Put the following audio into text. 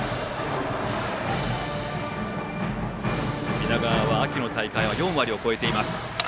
南川は秋の大会４割を超えています。